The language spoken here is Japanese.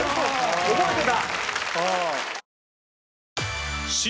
覚えてた？